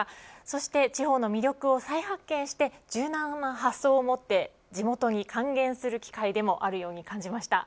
そして、地方の魅力を再発見して柔軟な発想を持って地元に還元する機会でもあるように感じました。